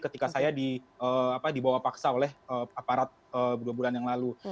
karena saya tidak dibawa paksa oleh aparat dua bulan yang lalu